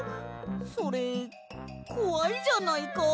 それこわいじゃないか。